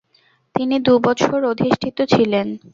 তিনি দু'বছর অধিষ্ঠিত ছিলেন।